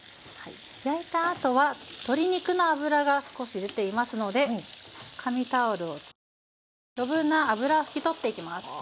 焼いたあとは鶏肉の脂が少し出ていますので紙タオルを使って余分な脂拭き取っていきます。